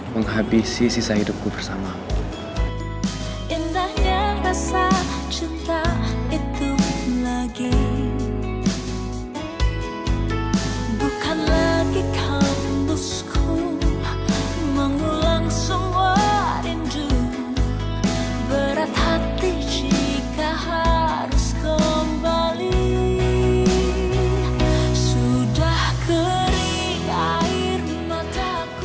menghabisi sisa hidupku bersamamu